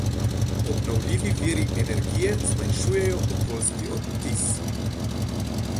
Obnovljivi viri energije zmanjšujejo okoljski odtis.